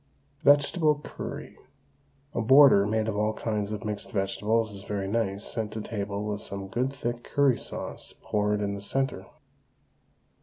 VEGETABLE CURRY. A border made of all kinds of mixed vegetables is very nice sent to table with some good thick curry sauce poured in the centre.